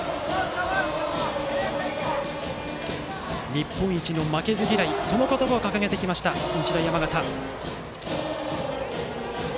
日本一の負けず嫌いという言葉を掲げてきた、日大山形。